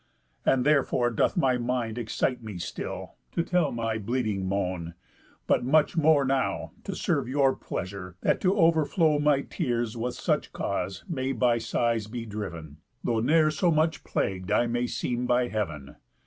And therefore doth my mind excite me still, To tell my bleeding moan; but much more now, To serve your pleasure, that to over flow My tears with such cause may by sighs be driv'n, Though ne'er so much plagued I may seem by heav'n.